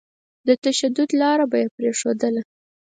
د تشدد لاره به يې پرېښودله.